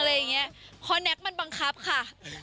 เพราะแน็กมันบังคับค่ะ